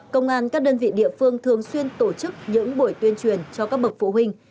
công an các đơn vị địa phương thường xuyên tổ chức những buổi tuyên truyền cho các bậc phụ huynh